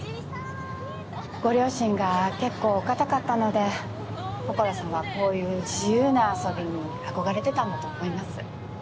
ご両親が結構お固かったので心さんはこういう自由な遊びに憧れてたんだと思います。